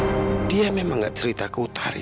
oh dia memang gak cerita ke utari